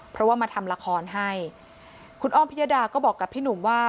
เพราะว่ามาทำละครให้คุณอ้อมพิยดาก็บอกกับพี่หนุ่มว่า